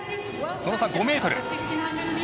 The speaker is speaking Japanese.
その差５ｍ。